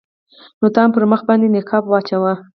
نو ته هم پر مخ باندې نقاب واچوه.